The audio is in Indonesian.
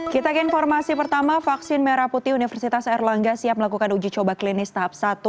kita ke informasi pertama vaksin merah putih universitas erlangga siap melakukan uji coba klinis tahap satu